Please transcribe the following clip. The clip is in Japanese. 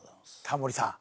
タモリさん